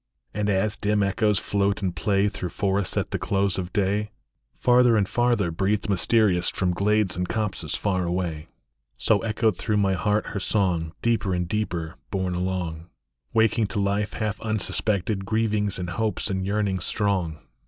And as dim echoes float and play Through forests at the close of day, Farther and farther, breathed mysterious From glades and copses far away, So echoed through my heart her song, Deeper and deeper borne along, Waking to life half unsuspected Grievings and hopes and yearnings strong.